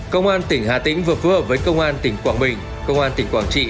công an tỉnh hà tĩnh vừa phối hợp với công an tỉnh quảng bình công an tỉnh quảng trị